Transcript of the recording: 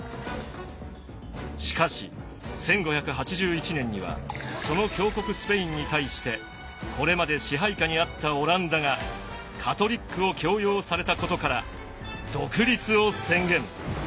しかし１５８１年にはその強国スペインに対してこれまで支配下にあったオランダがカトリックを強要されたことから独立を宣言。